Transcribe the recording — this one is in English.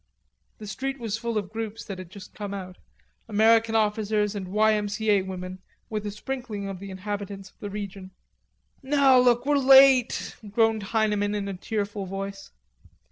The street was still full of groups that had just come out, American officers and Y.M.C.A, women with a sprinkling of the inhabitants of the region. "Now look, we're late," groaned Heineman in a tearful voice.